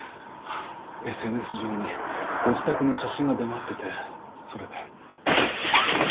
ＳＮＳ上にご自宅の写真が出回っててそれで。